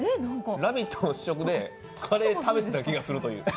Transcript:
「ラヴィット！」の試食でカレー食べてた気がするという。